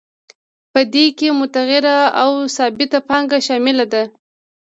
په دې کې متغیره او ثابته پانګه شامله ده